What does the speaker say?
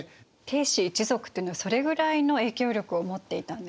氏一族というのはそれぐらいの影響力を持っていたんですね。